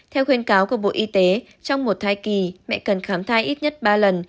theo khuyên cáo của bộ y tế trong một thai kỳ mẹ cần khám thai ít nhất ba lần